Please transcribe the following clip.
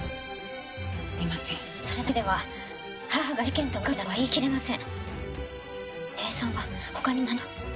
それだけでは母が事件と無関係だとは言い切れません。